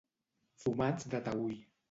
Fumats de Taüll.